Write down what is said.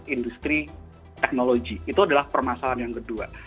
industri teknologi itu adalah permasalahan yang kedua